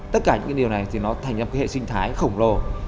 tất cả những cái điều này thì nó thành ra một cái hệ sinh thái khổng lồ